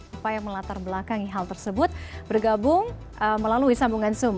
upaya melatar belakangi hal tersebut bergabung melalui sambungan zoom